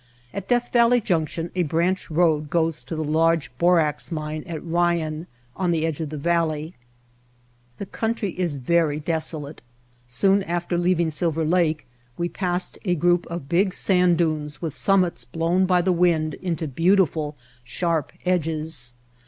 At Death Valley Junction a branch road goes to the large borax mine at Ryan on the edge of the valley. The country is very desolate. Soon after leav White Heart of Mojave ing Silver Lake we passed a group of big sand dunes with summits blown by the wind into beautiful, sharp edges.